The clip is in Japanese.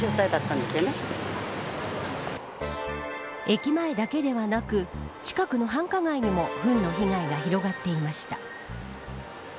駅前だけではなく近くの繁華街にもふんの被害が広がっていました。